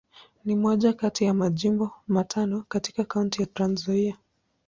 Ni moja kati ya Majimbo matano katika Kaunti ya Trans-Nzoia.